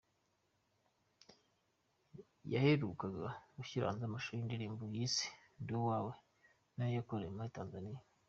Yaherukaga gushyira hanze amashusho y’indirimbo yise ‘Ndi Uwawe’ nayo yakorewe muri Tanzania.